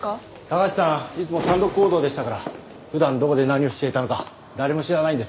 高橋さんいつも単独行動でしたから普段どこで何をしていたのか誰も知らないんです。